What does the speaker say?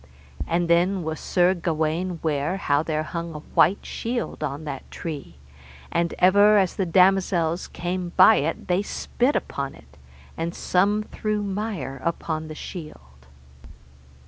And then was Sir Gawaine ware how there hung a white shield on that tree, and ever as the damosels came by it they spit upon it, and some threw mire upon the shield.